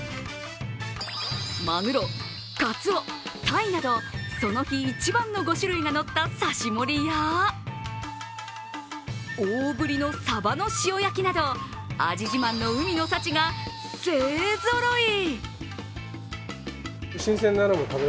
まぐろ、かつお、たいなど、その日一番の５種類が乗った刺し盛や大ぶりのさばの塩焼きなど、味自慢の海の幸が勢ぞろい。